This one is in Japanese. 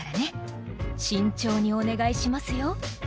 ［慎重にお願いしますよ］